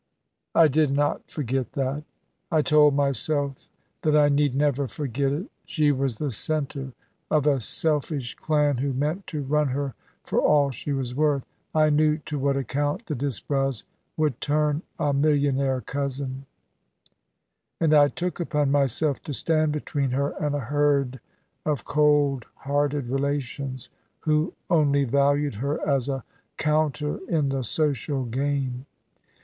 "I did not forget that. I told myself that I need never forget it. She was the centre of a selfish clan, who meant to run her for all she was worth. I knew to what account the Disbrowes would turn a millionaire cousin; and I took upon myself to stand between her and a herd of cold hearted relations, who only valued her as a counter in the social game.